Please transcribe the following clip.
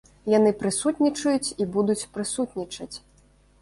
Яны прысутнічаюць і будуць прысутнічаць.